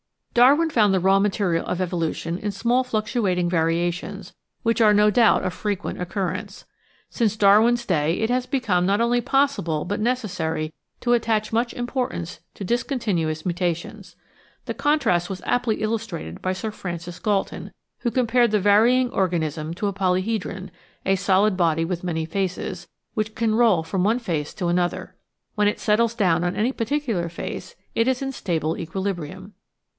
Darwin found the raw material of evolution in small fluctu ating variations, which are no doubt of frequent occurrence. Since Darwin's day it has become not only possible but neces sary to attach much importance to discontinuous mutations. The contrast was aptly illustrated by Sir Francis Galton, who com pared the varying organism to a polyhedron (a solid body with many faces) which can roll from one face to another. When it settles down on any particular face it is in stable equilibrium.